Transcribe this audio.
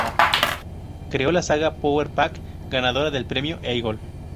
Creó la saga "Power-Pack" ganadora del Premio Eagle.